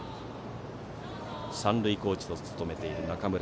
三塁コーチを務めている中村。